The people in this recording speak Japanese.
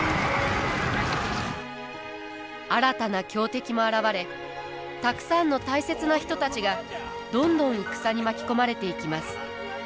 新たな強敵も現れたくさんの大切な人たちがどんどん戦に巻き込まれていきます。